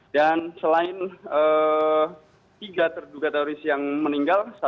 selain tiga terduga teroris yang meninggal